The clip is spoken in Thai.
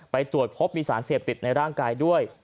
ไปตรวจพบมีสารเสพติดในร่างกายด้วย